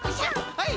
はい！